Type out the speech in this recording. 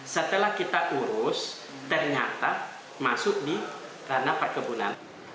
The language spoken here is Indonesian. setelah kita urus ternyata masuk di ranah perkebunan